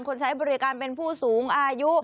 ใช้บริการเป็นผู้สูงอายุ